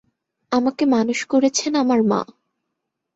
আমাকে মানুষ করেছেন আমার মা।